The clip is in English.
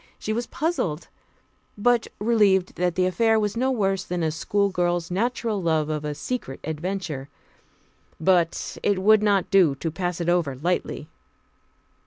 She was puzzled, but relieved that the affair was no worse than a schoolgirl's natural love of a secret adventure. But it would not do to pass it over lightly.